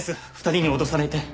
２人に脅されて。